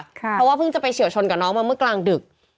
เพราะว่าเพิ่งจะไปเฉียวชนกับน้องมาเมื่อกลางดึก